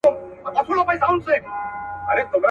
پاچا ورغى د خپل بخت هديرې ته.